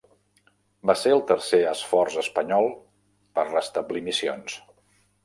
Va ser el tercer esforç espanyol per establir missions.